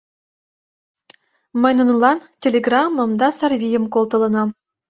— Мый нунылан телеграммым да сарвийым колтылынам.